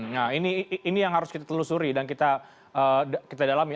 nah ini yang harus kita telusuri dan kita dalami